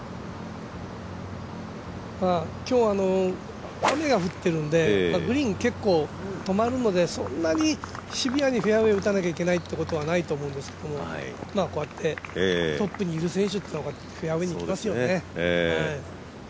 今日は雨が降ってるのでグリーン、結構止まるのでそんなにシビアにフェアウエー打たなきゃいけないって感じじゃないと思うんですけどこうやって、トップにいる選手ってのはフェアウエーにいきますよね。